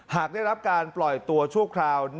หากได้รับการปล่อยตัวชั่วคราว